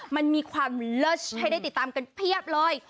มันมีความเลิศให้ได้ติดตามกันเพียบเลย